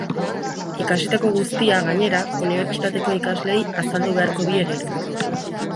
Ikasitako guztia, gainera, unibertsitateko ikasleei azaldu beharko die gero.